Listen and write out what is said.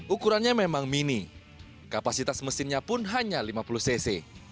ukurannya memang mini kapasitas mesinnya pun hanya lima puluh cc